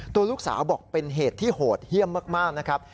ตัวลูกสาวบอกเป็นเหตุที่โหดเยี่ยมมากนะครับ